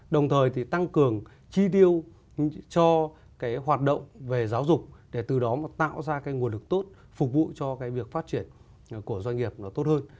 đồng thời thì tăng cường chi tiêu cho cái hoạt động về giáo dục để từ đó mà tạo ra cái nguồn lực tốt phục vụ cho cái việc phát triển của doanh nghiệp nó tốt hơn